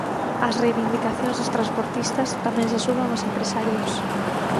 Ás reivindicacións dos transportistas tamén se suman os empresarios.